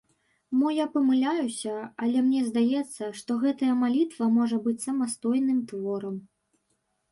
Мо я памыляюся, але мне здаецца, што гэтая малітва можа быць самастойным творам.